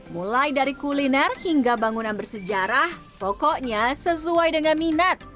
mulai dari kuliner hingga bangunan bersejarah pokoknya sesuai dengan minat